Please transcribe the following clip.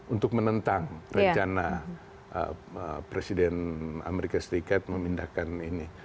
untuk menentang rencana presiden amerika serikat memindahkan ini